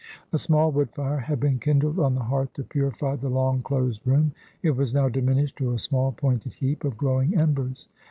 A small wood fire had been kindled on the hearth to purify the long closed room; it was now diminished to a small pointed heap of glowing embers.